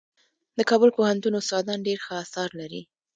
د کابل پوهنتون استادان ډېر ښه اثار لري.